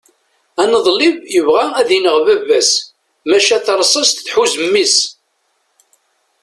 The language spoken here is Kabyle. aneḍlib yebɣa ad ineɣ baba-s maca tarsast tḥuz mmi-s